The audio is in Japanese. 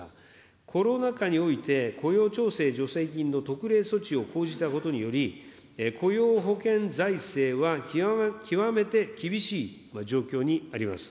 コロナ禍において、雇用調整助成金の特例措置を講じたことにより、雇用保険財政は極めて厳しい状況にあります。